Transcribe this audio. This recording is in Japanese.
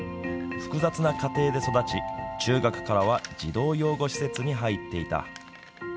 複雑な家庭で育ち中学からは児童養護施設に入っていた。